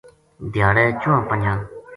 دھیاڑے چواں پنجاں